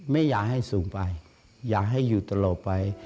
ไม่อยากให้สูงไปอย่าให้อยู่ตลอดไป